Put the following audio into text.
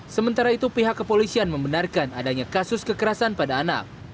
sementara itu pihak kepolisian membenarkan adanya kasus kekerasan pada anak